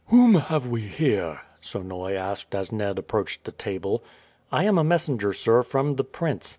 "Whom have we here?" Sonoy asked as Ned approached the table. "I am a messenger, sir, from the prince.